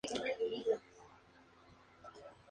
Gabe hace para cinco, sólo para encontrar el cargamento robado.